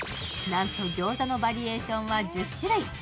なんとギョーザのバリエーションは１０種類。